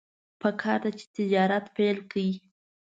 پکار ده چې تجارت پیل کړي.